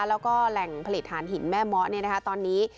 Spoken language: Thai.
แล้วก็แหล่งผลิตฐานหินแม่เมาะเนี่ยนะคะตอนนี้